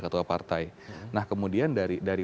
ketua partai nah kemudian dari